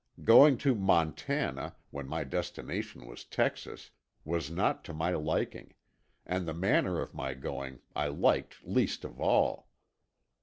Going to Montana, when my destination was Texas, was not to my liking, and the manner of my going I liked least of all.